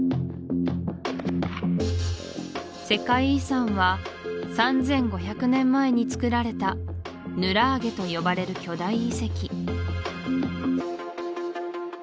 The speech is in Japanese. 世界遺産は３５００年前につくられたヌラーゲと呼ばれる巨大遺跡